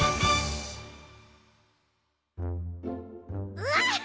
うわっは！